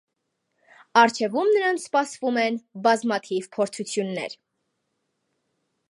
Առջևում նրանց սպասվում են բազմաթիվ փորձություններ։